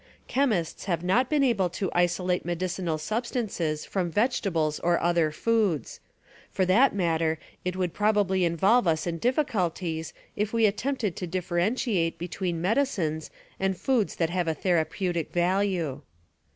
Chemists have not been able to isolate Medicinal medicinal substances from vegetables or other foods. Value For that matter it would probably involve us in diflficulties if we attempted to differentiate between medicines and foods that have a therapeutic value.